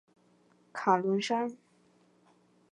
卡伦山。